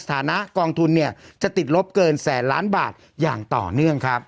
ฐานะกองทุนเนี่ยจะติดลบเกินแสนล้านบาทอย่างต่อเนื่องครับ